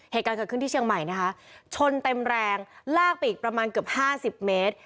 เหตุการณ์เกิดขึ้นที่เชียงใหม่นะคะชนเต็มแรงลากไปอีกประมาณเกือบห้าสิบเมตร